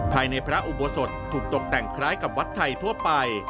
ภายในพระอุโบสถถูกตกแต่งคล้ายกับวัดไทยทั่วไป